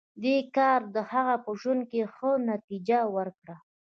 دې کار د هغه په ژوند کې ښه نتېجه ورکړه